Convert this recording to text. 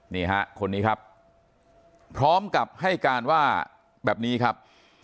นี่ฮะคนนี้ครับพร้อมกับให้การว่าแบบนี้ครับ